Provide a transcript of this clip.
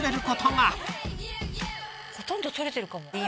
ほとんど取れてるかも。